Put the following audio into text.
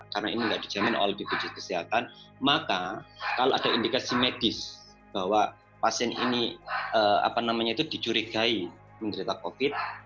karena ini tidak dijamin oleh bpjs kesehatan maka kalau ada indikasi medis bahwa pasien ini dicurigai menderita covid sembilan belas